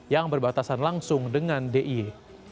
yang berbatasan langsung dengan d i e